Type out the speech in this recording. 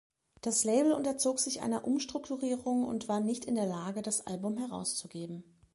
Das Label unterzog sich einer Umstrukturierung und war nicht in der Lage, das Album herauszugeben.